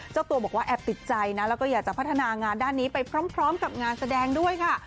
เจ้าตัวบอกว่าแอบติดใจนะแล้วก็อยากจะพัฒนางานด้านนี้ไปพร้อมกับงานแสดงด้วยค่ะ